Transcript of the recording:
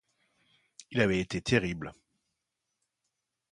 Il avait été terrible.